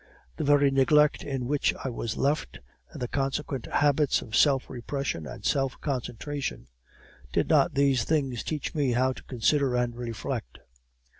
The very neglect in which I was left, and the consequent habits of self repression and self concentration; did not these things teach me how to consider and reflect?